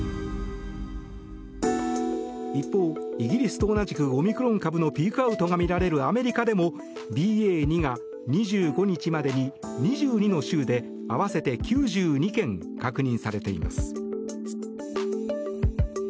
一方、イギリスと同じくオミクロン株のピークアウトが見られるアメリカでもＢＡ．２が２５日までに２２の州で合わせて９２件確認されています。